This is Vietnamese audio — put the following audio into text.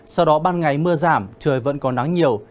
sau đó ban ngày mưa giảm trời vẫn có nắng nhiều